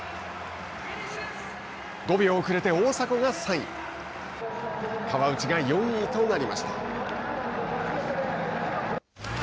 ５秒遅れて大迫が３位川内が４位となりました。